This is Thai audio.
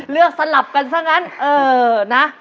สลับกันซะงั้นเออนะ